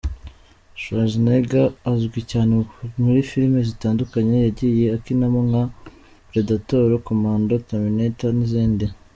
Schwarzenegger azwi cyane muri filime zitandukanye yagiye akinamo nka "Predator", "Commando", "Terminator" n’izindi.